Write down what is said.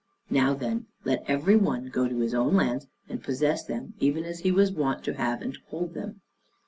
Now then, let every one go to his own lands, and possess them even as he was wont to have and to hold them.